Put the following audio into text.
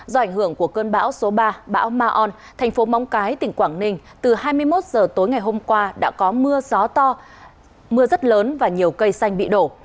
do ảnh hưởng của cơn bão số ba bão ma on thành phố móng cái tỉnh quảng ninh từ hai mươi một h tối ngày hôm qua đã có mưa gió to mưa rất lớn và nhiều cây xanh bị đổ